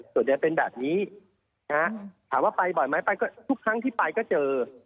ส่วนใหญ่เป็นแบบนี้ถามว่าไปบ่อยไหมไปก็ทุกครั้งที่ไปก็เจอ